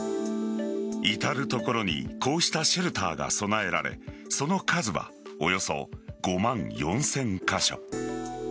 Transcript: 至る所にこうしたシェルターが備えられその数はおよそ５万４０００カ所。